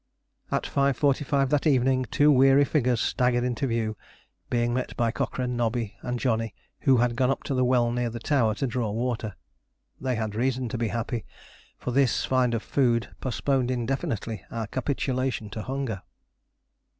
At 5.45 that evening two weary figures staggered into view, being met by Cochrane, Nobby, and Johnny, who had gone up to the well near the tower to draw water. They had reason to be happy, for this find of food postponed indefinitely our capitulation to hunger.